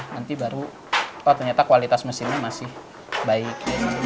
nanti baru oh ternyata kualitas mesinnya masih baik